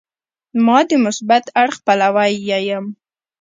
اما د مثبت اړخ پلوی یې یم.